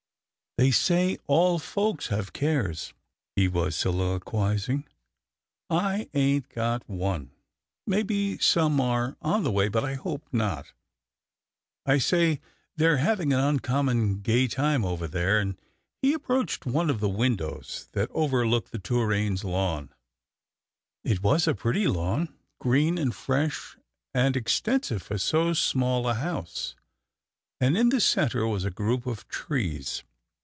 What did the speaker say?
" They say all folks have cares," he was solilo quizing, " I ain't got one. Maybe some are on the way, but I hope not — I say, they're having an uncommon gay time over there," and he approached one of the windows that overlooked the Torraines' lawn. 337 338 'TILDA JANE'S ORPHANS It was a pretty lawn, green, and fresh, and ex tensive for so small a house, and, in the centre, was a group of trees.